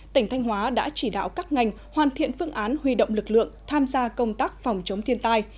tỉnh thanh hóa đã chỉ đạo các ngành hoàn thiện phương án huy động lực lượng tham gia công tác phòng chống thiên tai